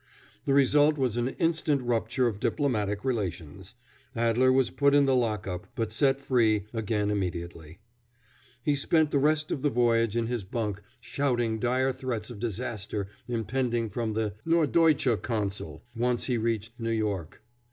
The result was an instant rupture of diplomatic relations. Adler was put in the lock up, but set fiee again immediately. He spent the rest of the voyage in his bunk shouting dire threats of disaster impending from the "Norddeutsche Consul," once he reached New York.